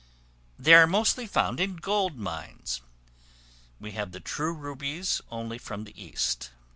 They are mostly found in gold mines. We have the true rubies only from the East.